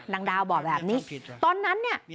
ดาวบอกแบบนี้ตอนนั้นเนี่ย